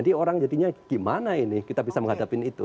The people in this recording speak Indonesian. jadi orang jadinya gimana ini kita bisa menghadapin itu